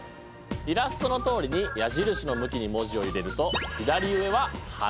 イラストのとおりに矢印の向きに文字を入れると左上は「はな」。